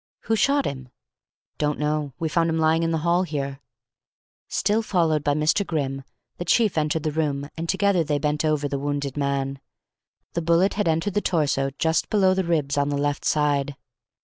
"Who shot him?" "Don't know. We found him lying in the hall here." Still followed by Mr. Grimm, the chief entered the room, and together they bent over the wounded man. The bullet had entered the torso just below the ribs on the left side.